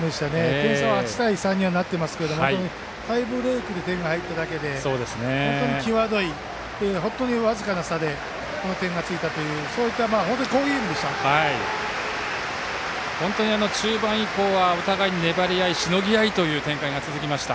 点差は８対３になっていますけどタイブレークで点が入っただけに際どい差でこの点差になったという本当に中盤以降はお互いに粘り合い、しのぎ合いの展開が続きました。